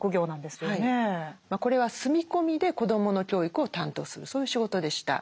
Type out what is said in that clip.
これは住み込みで子どもの教育を担当するそういう仕事でした。